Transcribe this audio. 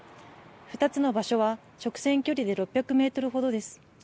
２つの場所は、直線距離で６００メートルほどです。